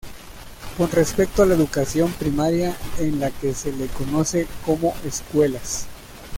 Con respecto a la educación primaria, en la que se le conoce como escuelas.